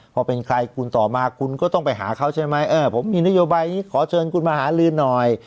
พอเป็นใครคุณต่อมาคุณก็ต้องไปหาเขาใช่ไหมเออผมมีนโยบายอย่างนี้ขอเชิญคุณมาหาลือหน่อย